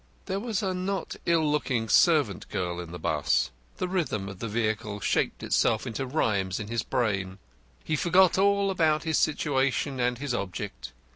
There was a not ill looking servant girl in the 'bus. The rhythm of the vehicle shaped itself into rhymes in his brain. He forgot all about his situation and his object.